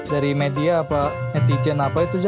dari media apa netizen apa itu